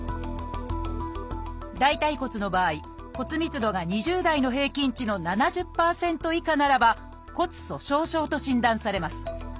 大腿骨の場合骨密度が２０代の平均値の７０％以下ならば「骨粗しょう症」と診断されます。